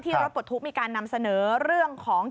รถปลดทุกข์มีการนำเสนอเรื่องของ